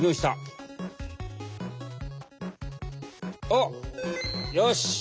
おっよし！